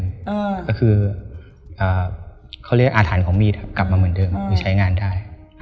ก็คือเขาเรียกอาถรรพ์ของมีดครับกลับมาเหมือนเดิมคือใช้งานได้